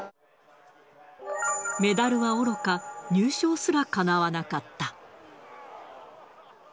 メダルはおろか、入賞すらかなわなかった。